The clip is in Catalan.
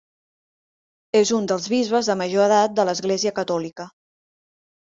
És un dels bisbes de major edat de l'Església Catòlica.